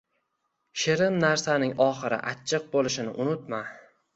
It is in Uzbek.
Shirin narsaning oxiri achchiq bo’lishini unutma.